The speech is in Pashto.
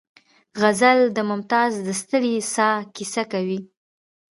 غزل د ممتاز د ستړې ساه کیسه کوي